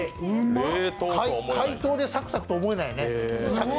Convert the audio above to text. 解凍でサクサクと思えないよね。